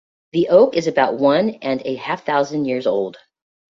The oak is about one and a half thousand years old.